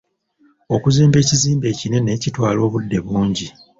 Okuzimba ekizimbe ekinene kitwala obudde bungi.